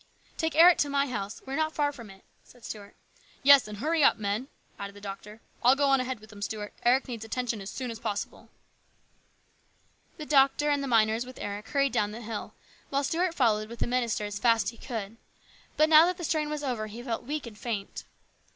" Take Eric to my house ; we are not far from it," said Stuart. " Yes, and hurry up, men," added the doctor. " I'll go on ahead with them, Stuart. Eric needs attention as soon as possible." The doctor and the miners with Eric hurried down the hill, while Stuart followed with the minister as fast as he could. But now that the strain was over he felt weak and faint.